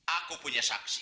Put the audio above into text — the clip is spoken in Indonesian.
aku punya saksi